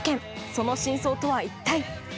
その真相とは、一体。